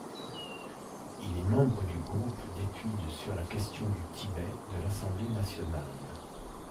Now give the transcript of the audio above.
Il est membre du groupe d'études sur la question du Tibet de l'Assemblée nationale.